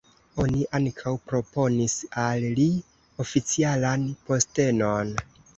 Oni ankaŭ proponis al li oficialan postenon.